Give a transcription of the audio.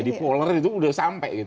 di polar itu udah sampai